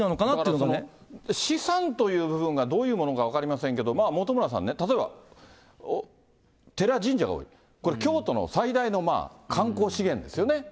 だから、資産という部分がどういうものか分かりませんけど、本村さんね、例えば寺、神社が多い、これ京都の最大の観光資源ですよね。